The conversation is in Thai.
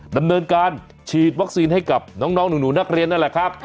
ดำเนินการฉีดวัคซีนให้กับน้องหนูนักเรียนนั่นแหละครับ